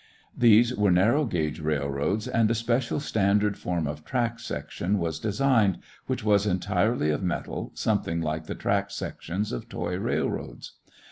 These were narrow gage railroads and a special standard form of track section was designed, which was entirely of metal, something like the track sections of toy railroads.